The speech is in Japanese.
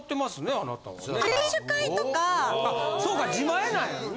あそうか自前なんよな。